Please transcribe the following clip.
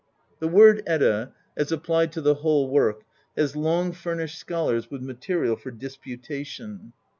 The word "Edda," as applied to the whole work, has long furnished scholars with material for disputation.